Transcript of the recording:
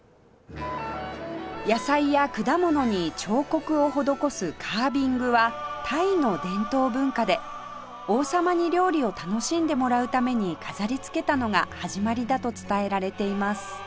野菜や果物に彫刻を施すカービングはタイの伝統文化で王様に料理を楽しんでもらうために飾り付けたのが始まりだと伝えられています